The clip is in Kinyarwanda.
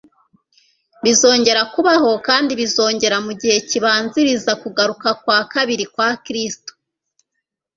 bizongera kubaho; kandi biziyongera mu gihe kibanziriza kugaruka kwa kabiri kwa Kristo.